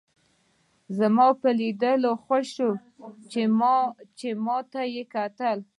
زما په لیدو خوښ شوه چې ما ته یې وکتل.